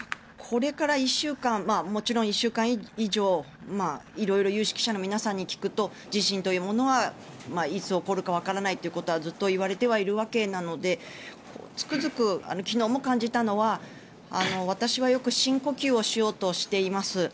これから１週間もちろん１週間以上色々、有識者の方に聞くと地震というものは、いつ起こるかわからないということはずっと言われてはいるわけなのでつくづく昨日も感じたのは私はよく深呼吸をしようとしています。